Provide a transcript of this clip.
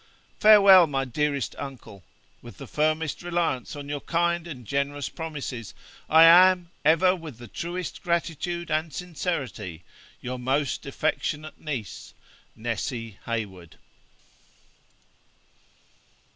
Farewell, my dearest uncle. With the firmest reliance on your kind and generous promises, I am, ever with the truest gratitude and sincerity, Your most affectionate niece, NESSY HEYWOOD.'